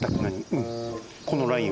うん。